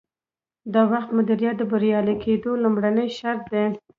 د وخت مدیریت د بریالي کیدو لومړنی شرط دی.